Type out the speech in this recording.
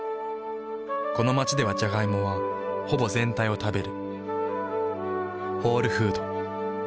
この街ではジャガイモはほぼ全体を食べる。